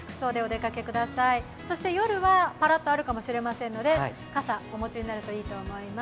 そして夜はパラッとあるかもしれませんので傘、お持ちになるといいと思います。